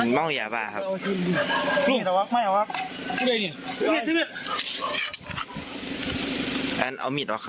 ไม่ออกไม่ออก